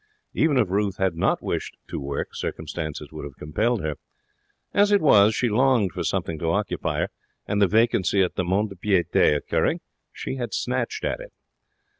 Even if Ruth had not wished to work, circumstances could have compelled her. As it was, she longed for something to occupy her, and, the vacancy at the mont de piete occurring, she had snatched at it.